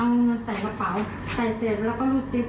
เอาเงินใส่กระเป๋าใส่เสร็จแล้วก็รูดซิก